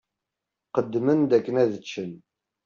Qqedmen-d akken ad ččen.